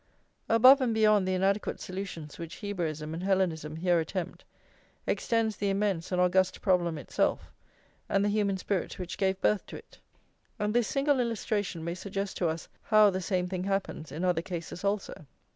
Above and beyond the inadequate solutions which Hebraism and Hellenism here attempt, extends the immense and august problem itself, and the human spirit which gave birth to it. And this single illustration may suggest to us how the same thing happens in other cases also.